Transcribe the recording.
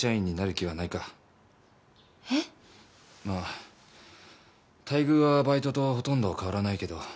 まあ待遇はバイトとほとんど変わらないけど。